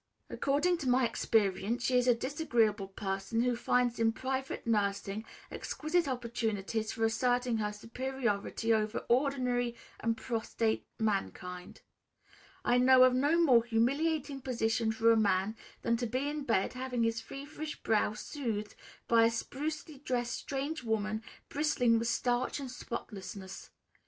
According to my experience, she is a disagreeable person who finds in private nursing exquisite opportunities for asserting her superiority over ordinary and prostrate mankind. I know of no more humiliating position for a man than to be in bed having his feverish brow soothed by a sprucely dressed strange woman, bristling with starch and spotlessness.